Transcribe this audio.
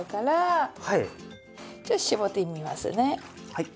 はい。